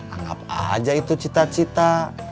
anggap aja itu cita cita